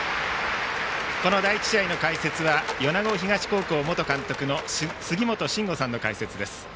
この第１試合の解説は米子東高校元監督の杉本真吾さんの解説です。